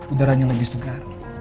uderanya lebih segar